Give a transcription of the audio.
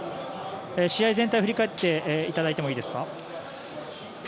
試合全体を振り返っていただいてもいいですか？